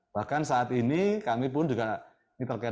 bahkan saat ini kami pun juga ini terkait